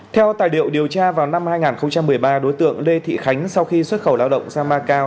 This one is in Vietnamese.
theo tài liệu điều tra vào năm hai nghìn một mươi ba đối tượng lê thị khánh sau khi xuất khẩu lao động sang macau